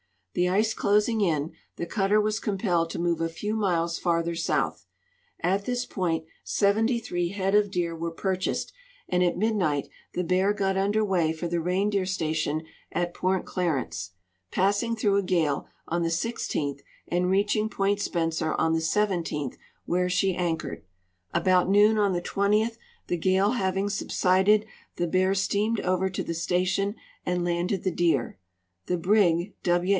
The ice closing in, the cutter was compelled to move a few miles forther south. At this point 73 head of deer Avere purchased, and at midnight the Bear got under Avay for the reindeer station at Port Clarence, passing through a gale on the 16th and reaching point Spencer on the 17th, Avhere she anchored. About noon on the 20th, the gale haA'ing subsided, the Bear steamed over to the station and landed the deer. The brig W.